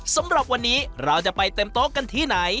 สำหรับวันนี้เราจะไปเต็มโต๊ะกันที่ไหน